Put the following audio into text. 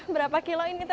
berapa kilo ini itu pak